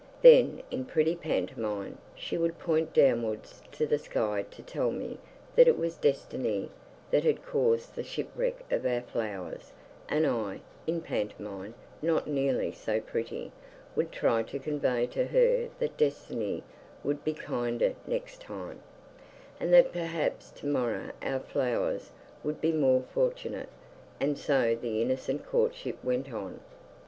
Then, in pretty pantomime, she would point downwards to the sky to tell me that it was Destiny that had caused the shipwreck of our flowers, and I, in pantomime, not nearly so pretty, would try to convey to her that Destiny would be kinder next time, and that perhaps tomorrow our flowers would be more fortunate and so the innocent courtship went on.